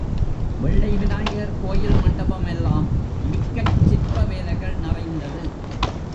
வெள்ளை விநாயகர் கோயில் மண்டபம் எல்லாம் மிக்கச் சிற்ப வேலைகள் நிறைந்தது.